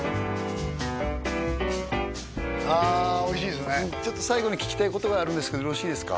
あおいしいですねちょっと最後に聞きたいことがあるんですけどよろしいですか？